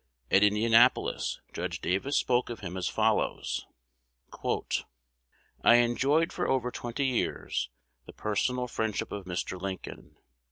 At Indianapolis, Judge Davis spoke of him as follows: "I enjoyed for over twenty years the personal friendship of Mr. Lincoln.